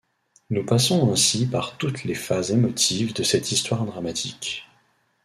Nous passons ainsi par toutes les phases émotives de cette histoire dramatique.